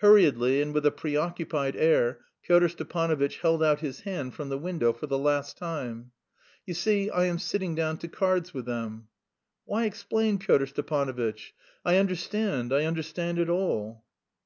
Hurriedly, and with a preoccupied air, Pyotr Stepanovitch held out his hand from the window for the last time. "You see, I am sitting down to cards with them." "Why explain, Pyotr Stepanovitch? I understand, I understand it all!"